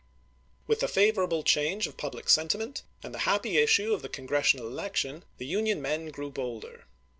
With the favorable change of public sentiment, and the happy issue of the Congressional election, the Union men grew bolder.